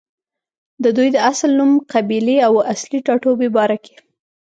ددوي د اصل نوم، قبيلې او اصلي ټاټوبې باره کښې